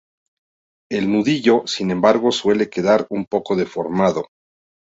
El nudillo, sin embargo, suele quedar un poco deformado.